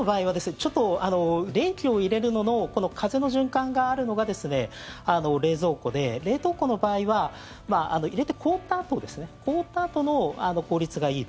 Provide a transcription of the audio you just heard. ちょっと冷気を入れるのの風の循環があるのが冷蔵庫で冷凍庫の場合は入れて、凍ったあとですね凍ったあとの効率がいいと。